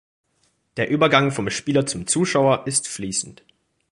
Der Übergang vom Spieler zum Zuschauer ist fließend.